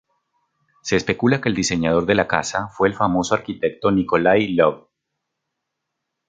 Se especula que el diseñador de la casa fue el famoso arquitecto Nikolai Lvov.